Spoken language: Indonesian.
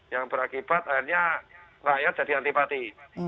yang berakibat akhirnya rakyat jadi antipati